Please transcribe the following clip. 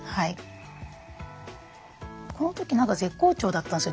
この時何か絶好調だったんですよ